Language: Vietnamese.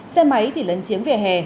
xe máy thì lấn chiếm về hè